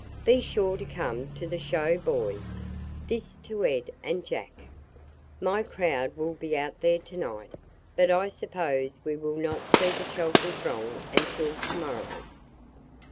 Be sure to come to the show, boys," this to Ed and Jack. "My crowd will be out there to night, but I suppose we will not see the Chelton throng until to morrow.